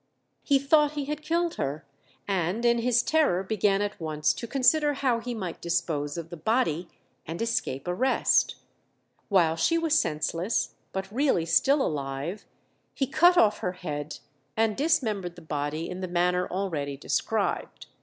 He thought he had killed her, and in his terror began at once to consider how he might dispose of the body and escape arrest. While she was senseless, but really still alive, he cut off her head, and dismembered the body in the manner already described.